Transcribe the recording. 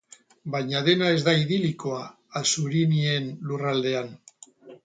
Baina dena ez da idilikoa assurinien lurraldean.